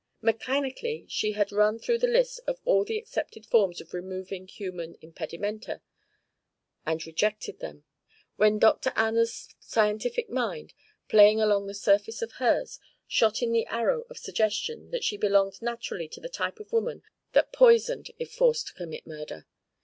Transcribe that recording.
Mechanically she had run through the list of all the accepted forms of removing human impedimenta and rejected them, when Dr. Anna's scientific mind, playing along the surface of hers, shot in the arrow of suggestion that she belonged naturally to the type of woman that poisoned if forced to commit murder.